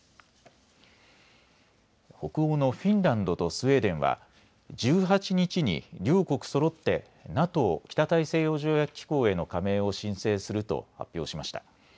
北欧のフィンランドとスウェーデンは１８日に両国そろってＮＡＴＯ・北大西洋条約機構への加盟を申請すると発表しました。